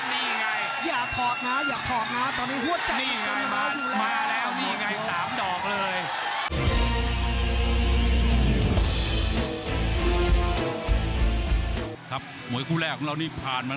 ไม่สนแล้วไงนี่ไงลุยแล้วไงแทงแล้วไหมนี่ไง